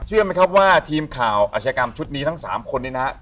เชื่อมั้ยครับว่าทีมข่าวอาชียากรรมชุดนี้ทั้ง๓คนนะครับ